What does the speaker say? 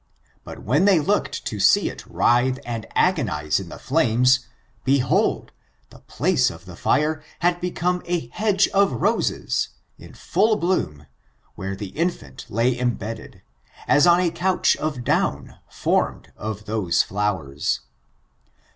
But when they looked to see it writhe and agonize in the flames, behold, the place of the fire had become a hedge ofroses^ in full bloom, where the infant lay embedded, as on a couch of down formed of those flowers.